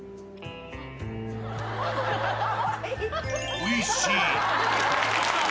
おいしい。